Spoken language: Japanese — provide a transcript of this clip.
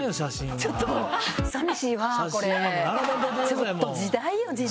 ちょっと時代よ時代。